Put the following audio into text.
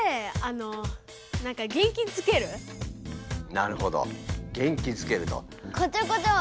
なるほど元気づけると。